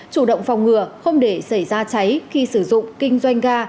chủ động phòng ngừa không để xảy ra cháy khi sử dụng kinh doanh ga